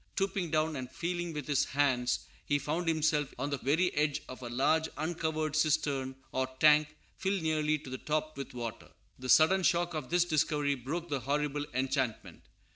Stooping down and feeling with his hands, he found himself on the very edge of a large uncovered cistern, or tank, filled nearly to the top with water. The sudden shock of this discovery broke the horrible enchantment.